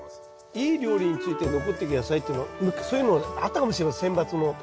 いい料理について残ってく野菜っていうのはそういうのあったかもしれません選抜の。